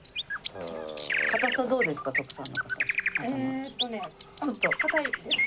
硬さどうですか？